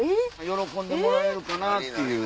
喜んでもらえるかなっていう。